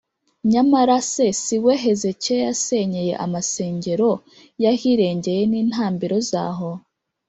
nyamara se si we Hezekiya yasenyeye amasengero y’ahirengeye n’intambiro zaho,